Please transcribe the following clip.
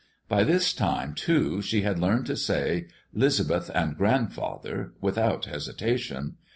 By this time, too, she had learned to say "'Lisbeth" and "grandfather" without hesitation.